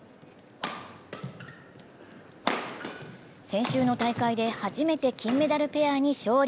先週の大会で初めて金メダルペアに勝利。